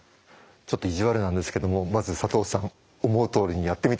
ちょっと意地悪なんですけどもまず佐藤さん思うとおりにやってみてください。